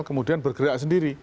kemudian bergerak sendiri